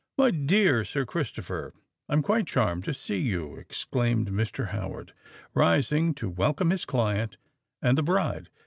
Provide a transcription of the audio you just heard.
"My dear Sir Christopher, I am quite charmed to see you" exclaimed Mr. Howard, rising to welcome his client and the bride.